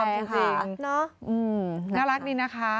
ยอมจริงน่ารักนี่นะคะ